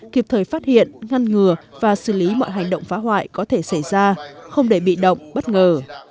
kịp thời phát hiện ngăn ngừa và xử lý mọi hành động phá hoại có thể xảy ra không để bị động bất ngờ